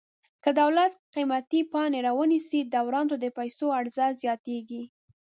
که دولت قیمتي پاڼې را ونیسي دوران ته د پیسو عرضه زیاتیږي.